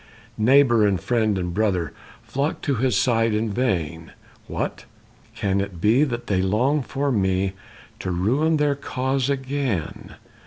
Neighbor and friend and brother Flocked to his side in vain, "What, can it be that they long for me To ruin their cause again?